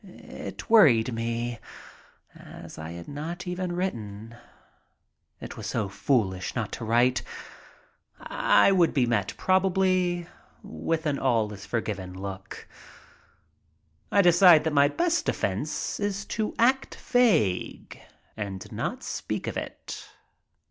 It worried me, as I had not even written. It was so foolish not to write. I would be met probably with an " all is f orgiven " look. I decide that my best defense is to act vague and not speak of it.